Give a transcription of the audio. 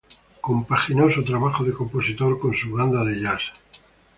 Compaginó su trabajo de compositor con su banda de jazz.